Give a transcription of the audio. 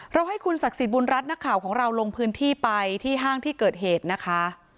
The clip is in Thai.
ให้คุณศักดิ์สิทธิบุญรัฐนักข่าวของเราลงพื้นที่ไปที่ห้างที่เกิดเหตุนะคะ